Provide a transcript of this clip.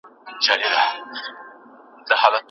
لارښود استاد باید خپل معلومات په پراخ زړه شاګرد ته ورکړي.